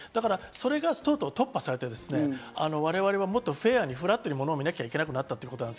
それがどんどん突破されて、我々はもっとフェアにフラットにものを見なきゃいけなくなったということ。